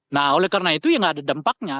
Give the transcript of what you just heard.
nah oleh karena itu ya gak ada dempaknya